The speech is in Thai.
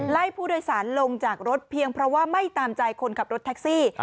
ไล่ผู้โดยสารลงจากรถเพียงเพราะว่าไม่ตามใจคนขับรถแท็กซี่